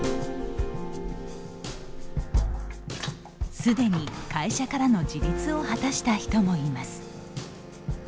すでに会社からの自立を果たした人もいます。